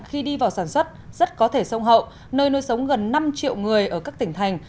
khi đi vào sản xuất rất có thể sông hậu nơi nuôi sống gần năm triệu người ở các tỉnh thành